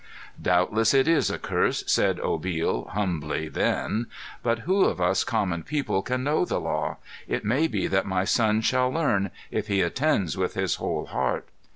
"Doubtless it is a curse," said Obil humbly then. "But who of us common people can know the law? It may be that my son shall learn, if he attends with his whole heart."